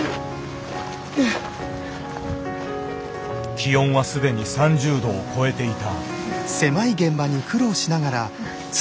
気温は既に３０度を超えていた。